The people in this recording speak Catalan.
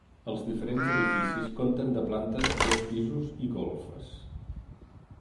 Els diferents edificis conten de planta, dos pisos i golfes.